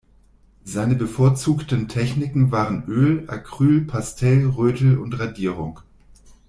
Seine bevorzugten Techniken waren Öl, Acryl, Pastell, Rötel und Radierung.